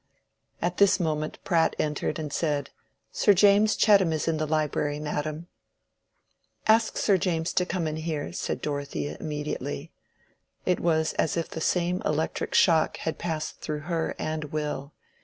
At this moment Pratt entered and said, "Sir James Chettam is in the library, madam." "Ask Sir James to come in here," said Dorothea, immediately. It was as if the same electric shock had passed through her and Will.